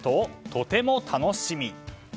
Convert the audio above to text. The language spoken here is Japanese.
とても楽しみ。